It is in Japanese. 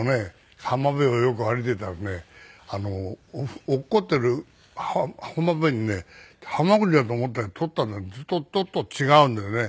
浜辺をよく歩いていたらね落っこちている浜辺にねハマグリだと思って取ったのにちょっと違うんだよね。